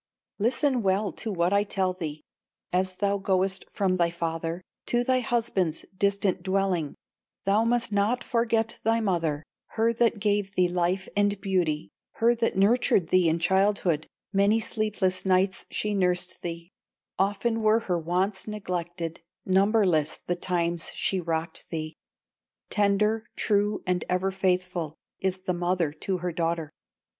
"Listen well to what I tell thee: As thou goest from thy father To thy husband's distant dwelling, Thou must not forget thy mother, Her that gave thee life and beauty, Her that nurtured thee in childhood, Many sleepless nights she nursed thee; Often were her wants neglected, Numberless the times she rocked thee; Tender, true, and ever faithful, Is the mother to her daughter.